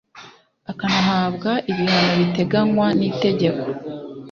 akanahabwa ibihano biteganywa n itegeko